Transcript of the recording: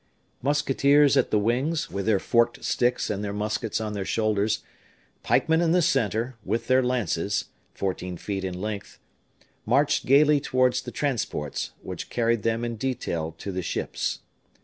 Musketeers at the wings, with their forked sticks and their muskets on their shoulders; pikemen in the center, with their lances, fourteen feet in length, marched gayly towards the transports, which carried them in detail to the ships.